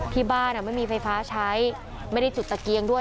ที่บ้านไม่มีไฟฟ้าใช้ไม่ได้จุดตะเกียงด้วย